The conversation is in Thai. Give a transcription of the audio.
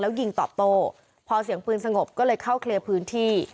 แล้วยิงตอบโต้พอเสียงปืนสงบก็เลยเข้าเคลียร์พื้นที่